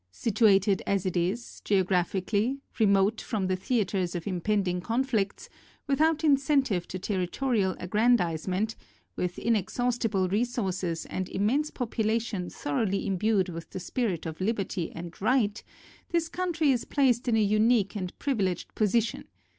Situated as it is, geographically, remote from the theaters of impending conflicts, without incentive to territorial aggrandize ment, with inexhaustible resources and im mense population thoroly imbued with the spirit of liberty and right, this country is placed in a unique and privileged position.